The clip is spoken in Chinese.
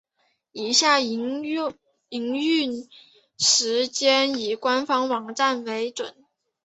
以下营运时间以官方网站为准。